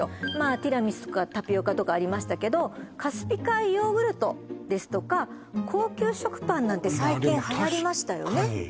ティラミスとかタピオカとかありましたけどカスピ海ヨーグルトですとか高級食パンなんて最近はやりましたよね